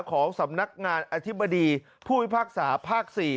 ของสำนักงานอธิบดีผู้พิพากษาภาค๔